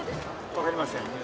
分かりません。